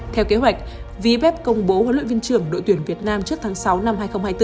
theo kế hoạch vf công bố huấn luyện viên trưởng đội tuyển việt nam trước tháng sáu năm hai nghìn hai mươi bốn